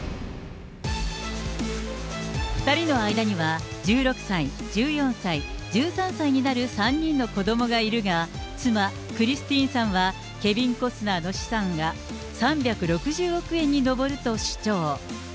２人の間には１６歳、１４歳、１３歳になる３人の子どもがいるが、妻、クリスティーンさんはケビン・コスナーの資産が３６０億円に上ると主張。